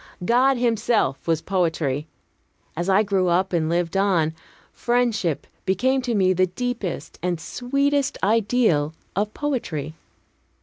God himself was poetry. As I grew up and lived on, friendship became to me the deepest and sweetest ideal of poetry.